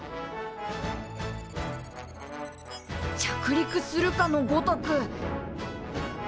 着陸するかのごとく。